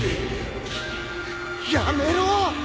やめろ！